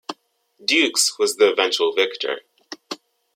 Dukes was the eventual victor.